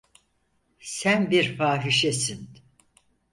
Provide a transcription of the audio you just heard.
Sen bir fahişesin.